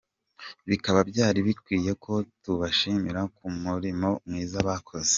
Bikaba byari bikwiye ko tubashimira ku murimo mwiza bakoze.